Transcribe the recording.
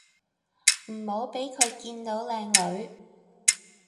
唔好畀佢見到靚女